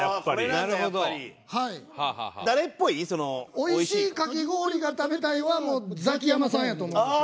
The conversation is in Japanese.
「美味しいかき氷が食べたい」はザキヤマさんやと思うんですけど。